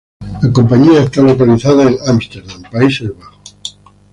La compañia está localizada en Ámsterdam, Países Bajos.